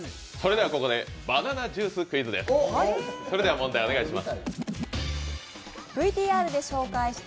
ここでバナナジュースクイズです。